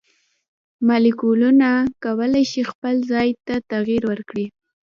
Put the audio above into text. مالیکولونه کولی شي خپل ځای ته تغیر ورکړي.